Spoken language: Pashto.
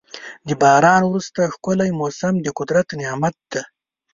د باران وروسته ښکلی موسم د قدرت نعمت دی.